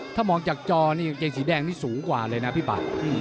ถ้ามองจากจอนี่กางเกงสีแดงนี่สูงกว่าเลยนะพี่ปาก